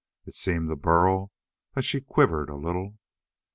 It seemed to Burl that she quivered a little.